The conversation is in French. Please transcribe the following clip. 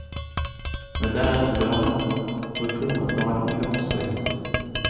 Le Dallas Burn retourne dans la conférence Ouest.